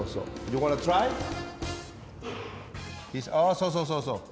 おそうそうそうそう。